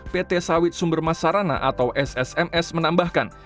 pt sawit sumber masarana atau ssms menambahkan